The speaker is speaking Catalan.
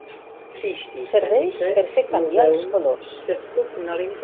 Serveix per fer canviar els colors.